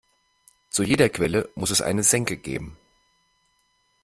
Zu jeder Quelle muss es eine Senke geben.